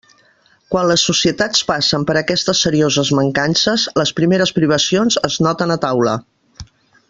Quan les societats passen per aquestes serioses mancances, les primeres privacions es noten a taula.